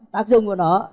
tác dụng của nó